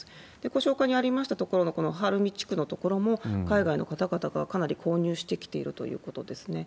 ご紹介にありましたところの、この晴海地区の所も、海外の方々がかなり購入してきているということですね。